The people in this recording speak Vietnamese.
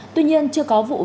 tuy nhiên chưa có vụ việc